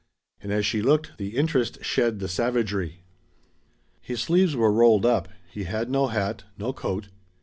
And as she looked, the interest shed the savagery. His sleeves were rolled up; he had no hat, no coat.